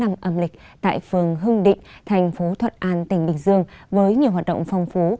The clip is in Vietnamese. âm lịch tại phường hưng định thành phố thuật an tỉnh bình dương với nhiều hoạt động phong phú